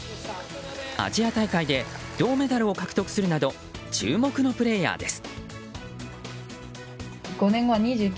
アジア大会で銅メダルを獲得するなど注目のプレーヤーです。